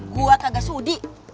gue kagak sudi